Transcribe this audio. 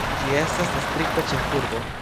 Ĝi estas distrikta ĉefurbo.